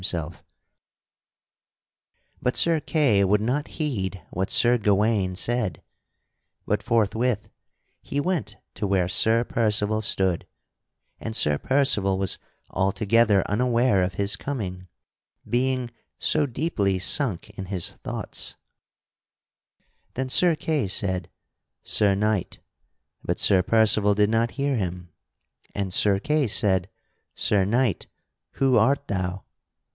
[Sidenote: Sir Kay shakes the arm of Sir Percival] But Sir Kay would not heed what Sir Gawaine said, but forthwith he went to where Sir Percival stood; and Sir Percival was altogether unaware of his coming, being so deeply sunk in his thoughts. Then Sir Kay said: "Sir Knight," but Sir Percival did not hear him. And Sir Kay said: "Sir Knight, who art thou?"